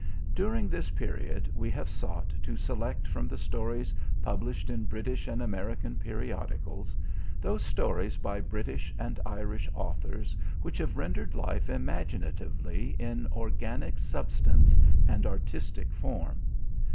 During this period we have sought to select from the stories published in British and American periodicals those stories by British and Irish authors which have rendered life imaginatively in organic substance and artistic form.